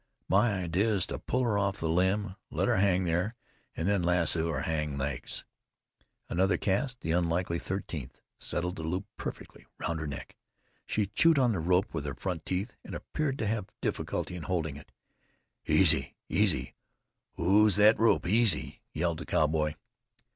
My idea is to pull her off the limb, let her hang there, and then lasso her hind legs." Another cast, the unlucky thirteenth, settled the loop perfectly round her neck. She chewed on the rope with her front teeth and appeared to have difficulty in holding it. "Easy! Easy! Ooze thet rope! Easy!" yelled the cowboy.